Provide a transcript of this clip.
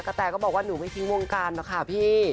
แตก็บอกว่าหนูไม่ทิ้งวงการหรอกค่ะพี่